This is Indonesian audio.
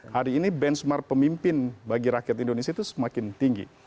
hari ini benchmark pemimpin bagi rakyat indonesia itu semakin tinggi